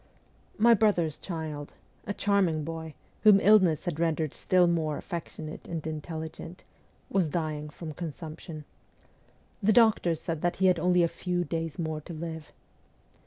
My brother's child a charming boy, whom illness had rendered still more affectionate and intelligent was dying from consumption. The doctors said he had only a few days more to live.